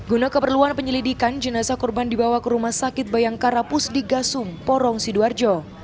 guna keperluan penyelidikan jenazah korban dibawa ke rumah sakit bayangka rapus di gasung porong sidoarjo